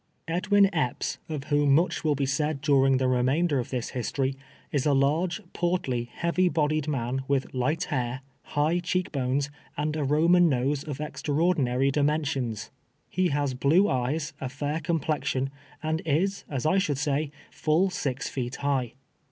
Ed"^tn Epps, of wlioni mucli will Le said during tlie remainder of tins liistory, is a large, portly, Leavy bodied man with light hair, high cheek bones, and a Roman nose of extraordinary dimensions. He has blue eyes, a fair complexion, and is, as I should say, full .i„v feet high.